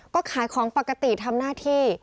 ก็ขายของปกติทำหน้าที่